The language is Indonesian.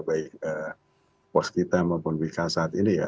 baik waskita maupun bumn saat ini ya